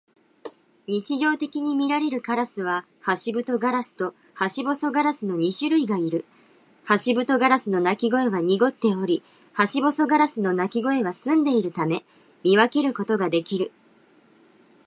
日常的にみられるカラスはハシブトガラスとハシボソガラスの二種類がいる。ハシブトガラスの鳴き声は濁っており、ハシボソガラスの鳴き声は澄んでいるため、見分けることができる。